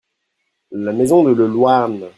La maison de Le Louarn.